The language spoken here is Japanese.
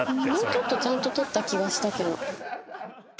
もうちょっとちゃんと録った気がしたけど。